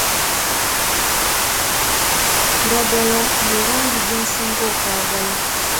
Kiragala ye langi gye nsinga okwagala.